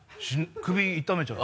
首痛めちゃう。